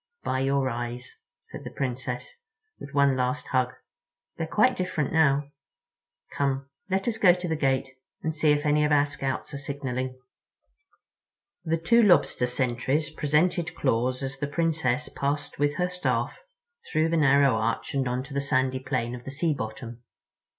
"By your eyes," said the Princess, with one last hug; "they're quite different now. Come, let us go to the gate and see if any of our Scouts are signaling." The two Lobster sentries presented claws as the Princess passed with her Staff through the narrow arch and onto the sandy plain of the sea bottom.